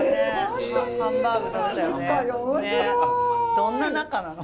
どんな仲なの。